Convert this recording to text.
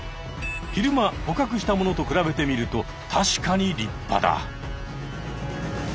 昼間捕獲したものと比べてみると確かに立派だ。